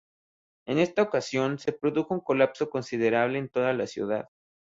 En esta ocasión, se produjo un colapso considerable en toda la ciudad.